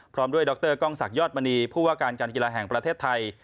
พร้อมด้วยดรกล้องศักดิยอดมณีผู้ว่าการการกีฬาแห่งประเทศไทย